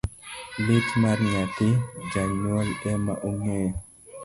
Lit mar nyathi, janyuol ema ong'eyo.